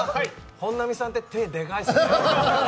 本並さんって手、でかいですね。